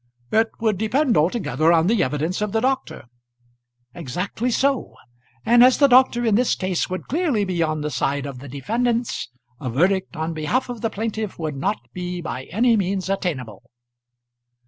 "It would depend altogether on the evidence of the doctor." "Exactly so. And as the doctor in this case would clearly be on the side of the defendants, a verdict on behalf of the plaintiff would not be by any means attainable."